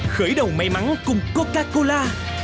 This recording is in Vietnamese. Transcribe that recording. khởi đầu may mắn cùng coca cola